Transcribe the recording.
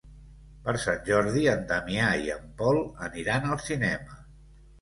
Per Sant Jordi en Damià i en Pol aniran al cinema.